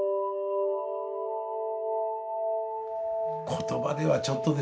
言葉ではちょっとですね